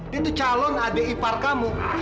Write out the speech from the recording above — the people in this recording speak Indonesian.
dia tuh calon adik ipar kamu